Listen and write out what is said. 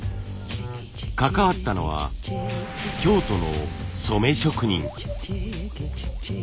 関わったのは京都の染め職人。